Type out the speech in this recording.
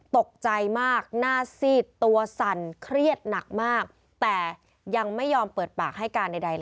ตกใจมากหน้าซีดตัวสั่นเครียดหนักมากแต่ยังไม่ยอมเปิดปากให้การใด